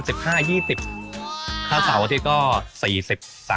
ถ้าเสาร์อาทิตย์ก็๔๐บาท